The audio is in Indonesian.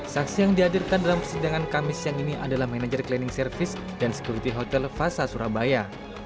saksi yang dihadirkan dalam persidangan kamis siang ini adalah manajer cleaning service dan sekuriti hotel fasa surabaya